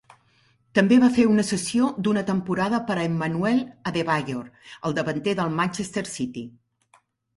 També va fer una cessió d'una temporada per a Emmanuel Adebayor, el davanter del Manchester City.